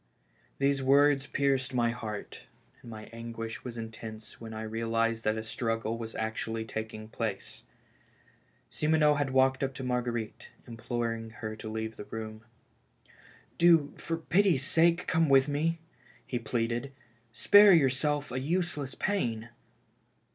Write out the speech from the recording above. These words pierced my heart, and my anguish was intense when I realized that a struggle was actually taking place. Simoneau had walked up to Marguerite, imploring her to leave the room. " Do, for pity's sake, come with me," he pleaded. "Spare yourself a useless pain."